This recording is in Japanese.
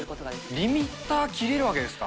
リミッター切れるわけですか。